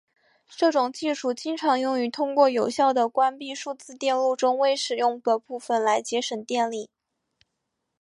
这种技术经常用于通过有效地关闭数字电路中未使用的部分来节省电力。